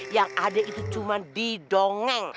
yang ada itu cuma didongeng